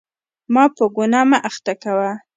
ما په ګناه مه اخته کوه.